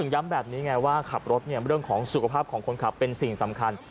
ย้ำแบบนี้ไงว่าขับรถเรื่องของสุขภาพของคนขับเป็นสิ่งสำคัญ